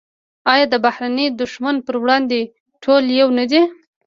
آیا د بهرني دښمن پر وړاندې ټول یو نه دي؟